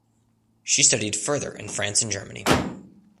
She studied further in France and Germany.